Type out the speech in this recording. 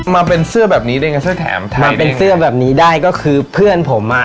มาเป็นเสื้อแบบนี้ได้ไงเสื้อแถมทำมาเป็นเสื้อแบบนี้ได้ก็คือเพื่อนผมอ่ะ